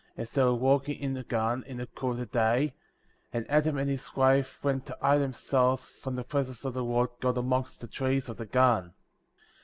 17 as they were walking in the garden/ in the cool of the day ; and Adam and his wife went to hide them selves from the presence of the Lord God amongst the trees of the garden.